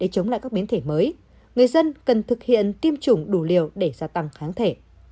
cho các biến thể mới người dân cần thực hiện tiêm chủng đủ liều để gia tăng kháng thể